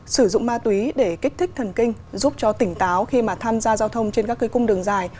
sử dụng ma túy để kích thích thần kinh giúp cho tỉnh táo khi mà tham gia giao thông trên các cái cung đường dài